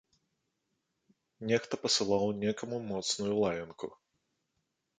Нехта пасылаў некаму моцную лаянку.